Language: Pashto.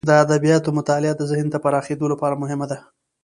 د ادبیاتو مطالعه د ذهن د پراخیدو لپاره مهمه ده.